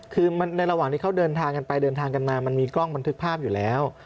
คือในระหว่างที่เขาเดินทางกันไปเดินทางกันมามันมีกล้องบันทึกภาพอยู่แล้ว